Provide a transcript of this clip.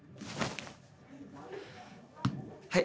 はい。